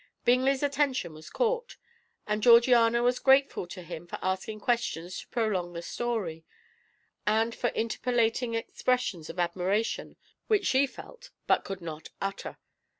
Bingley's attention was caught, and Georgiana was grateful to him for asking questions to prolong the story, and for interpolating expressions of admiration which she felt but could not utter.